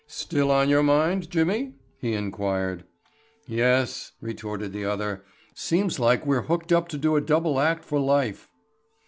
"Still on your mind, Jimmy?" he inquired. "Yes," retorted the other; "seems like we're hooked up to do a double act for life."